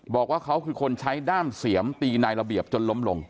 บอกว่าเขาคือคนใช้ด้ามเสียมตีนายระเบียบจนล้มลง